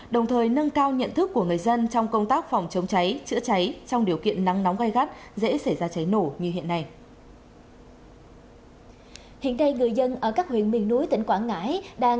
đồng thời nâng cao nhận thức của người dân trong công tác phòng chống cháy chữa cháy trong điều kiện nắng nóng gai gắt dễ xảy ra cháy nổ như hiện nay